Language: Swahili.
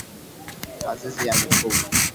Mazizi ya mifugo